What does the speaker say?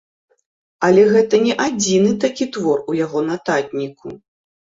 Але гэта не адзіны такі твор у яго нататніку.